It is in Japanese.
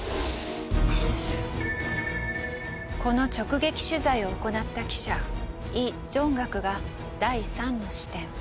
この直撃取材を行った記者イ・ジョンガクが第３の視点。